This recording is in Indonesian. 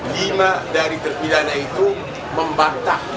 lima dari terpilihannya itu membatah